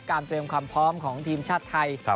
เตรียมความพร้อมของทีมชาติไทย